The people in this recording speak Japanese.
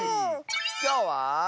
きょうは。